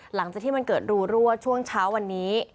หลังจากที่มันเกิดรูรั่วช่วงเช้าวันนี้